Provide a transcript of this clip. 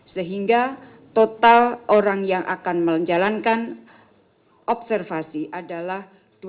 sehingga total orang yang akan menjalankan observasi adalah dua ratus delapan puluh lima